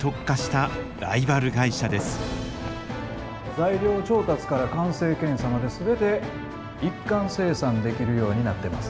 材料調達から完成検査まで全て一貫生産できるようになってますんで。